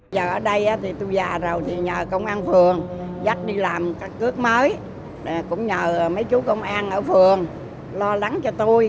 giờ ở đây thì tôi già rồi thì nhờ công an phường dắt đi làm căn cước mới cũng nhờ mấy chú công an ở phường lo lắng cho tôi